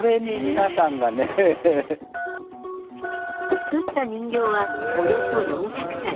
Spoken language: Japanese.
作った人形はおよそ４００体。